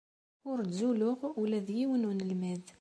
Ur ttzuluɣ ula d yiwen n unelmad.